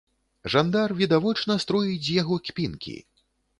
Жандар відавочна строіць з яго кпінкі!